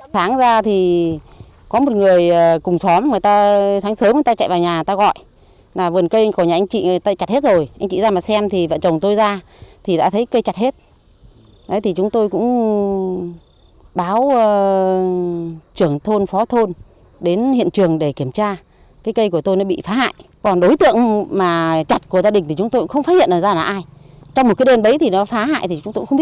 trong một cái đêm đấy thì nó phá hại thì chúng tôi cũng không biết là ai